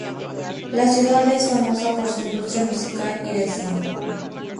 La ciudad es famosa por su industria musical y de cine.